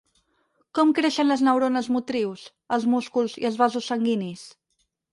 Com creixen les neurones motrius, els músculs i els vasos sanguinis?